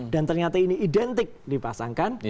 dan ternyata ini identik dipasangkan